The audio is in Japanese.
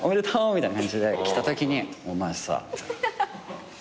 みたいな感じで来たときに「お前さ」みたいな。